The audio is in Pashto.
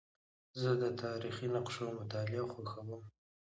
زه د تاریخي نقشو مطالعه خوښوم.